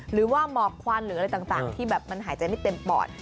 หมอกควันหรืออะไรต่างที่แบบมันหายใจไม่เต็มปอด